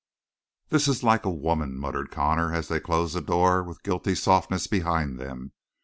"This is like a woman," muttered Connor, as they closed the door with guilty softness behind them.